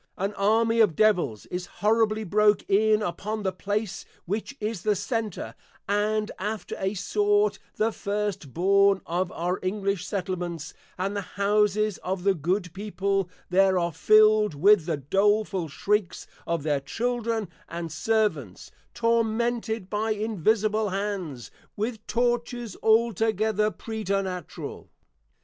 An Army of Devils is horribly broke in upon the place which is the Center, and after a sort, the First born of our English Settlements: and the Houses of the Good People there are fill'd with the doleful Shrieks of their Children and Servants, Tormented by Invisible Hands, with Tortures altogether preternatural.